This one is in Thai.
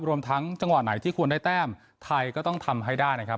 รวมทั้งจังหวะไหนที่ควรได้แต้มไทยก็ต้องทำให้ได้นะครับ